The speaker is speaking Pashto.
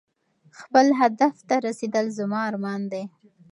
خپل هدف ته رسېدل زما ارمان دی.